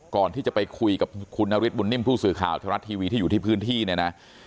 ก่อนที่จะไปคุยกับคุณนฤทธบุญนิ่มผู้สื่อข่าวทรัฐทีวีที่อยู่ที่พื้นที่เนี่ยนะ